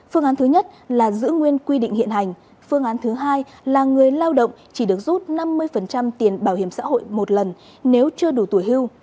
phương án thứ nhất là giữ nguyên quy định hiện hành phương án thứ hai là người lao động chỉ được rút năm mươi tiền bảo hiểm xã hội một lần nếu chưa đủ tuổi hưu